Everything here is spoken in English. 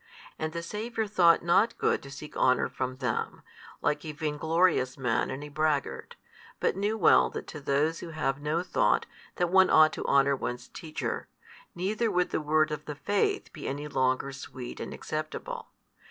And the Saviour thought not good to seek honour from them, |232 like a vain glorious man and a braggart, but knew well that to those who have no thought that one ought to honour one's teacher, neither would the word of the faith be any longer sweet and acceptable.